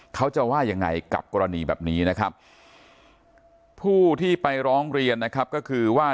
เขาจะว่ายังไงกับกรณีแบบนี้นะครับผู้ที่ไปร้องเรียนนะครับก็คือว่า